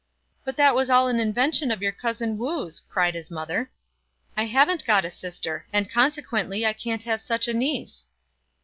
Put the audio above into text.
" But that was all an invention of your cousin Wu's," cried his mother; "I haven't got a sister, and consequently I can't have such a niece."